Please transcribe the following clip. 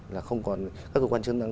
là không còn các cơ quan chức năng